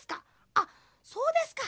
あっそうですか。